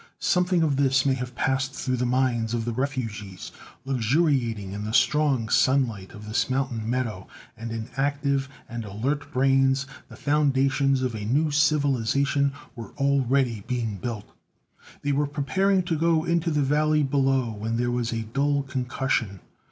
Something of this may have passed through the minds of the refugees luxuriating in the strong sunlight of this mountain meadow, and in active and alert brains the foundations of a new civilization were already being built. They were preparing to go into the valley below when there was a dull concussion.